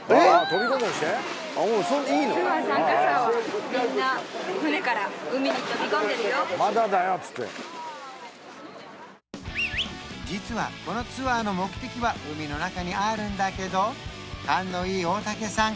飛び込んだりして実はこのツアーの目的は海の中にあるんだけど勘のいい大竹さん